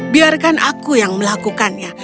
biarkan aku yang melakukannya